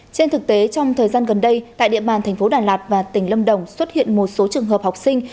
trên thực tế trong thời gian gần đây tại địa bàn thành phố đà lạt và tỉnh lâm đồng xuất hiện một số trường hợp học sinh